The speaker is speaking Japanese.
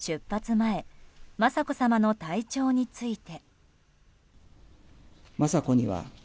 前雅子さまの体調について。